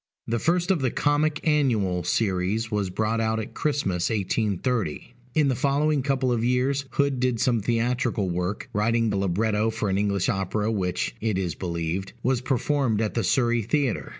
The first of the Comic Annual series was brought out at Christmas, 1830. In the following couple of years, Hood did some theatrical work; writing the libretto for an English opera which (it is believed) was performed at the Surrey Theatre.